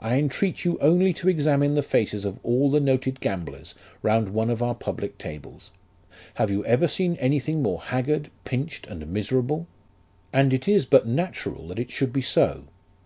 I entreat you only to examine the faces of all the noted gamblers round one of our public tables ; have you ever seen any thing more haggard, pinched, and miserable ? And it is but natural that it should be so.